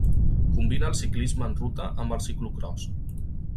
Combina el ciclisme en ruta amb el ciclocròs.